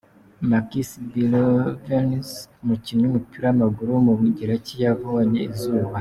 Makis Belevonis, umukinnyi w’umupira w’amaguru w’umugereki yabonye izuba.